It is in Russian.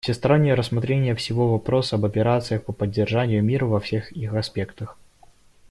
Всестороннее рассмотрение всего вопроса об операциях по поддержанию мира во всех их аспектах.